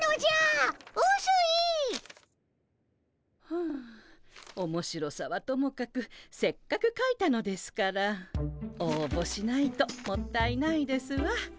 ふうおもしろさはともかくせっかくかいたのですからおうぼしないともったいないですわ。